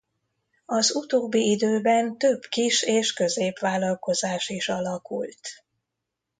Az utóbbi időben több kis és középvállalkozás is alakult.